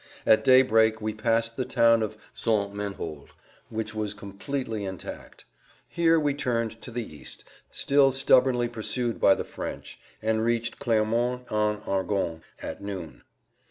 At day break we passed the town of St. Menehould which was completely intact. Here we turned to the east, still stubbornly pursued by the French, and reached Clermont en Argonne at noon.